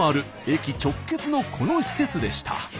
駅直結のこの施設でした。